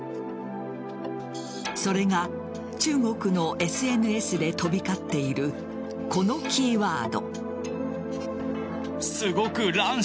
それが中国のＳＮＳで飛び交っている、このキーワード。